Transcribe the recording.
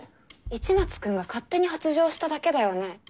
市松君が勝手に発情しただけだよね？